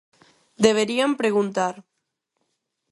Deberían preguntar.